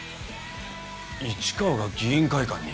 市川が議員会館に？